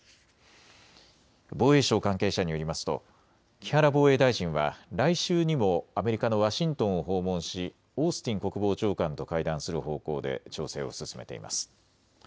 防衛省関係者によりますと木原防衛大臣は来週にもアメリカのワシントンを訪問しオースティン国防長官と会談する方向で調整を進めています。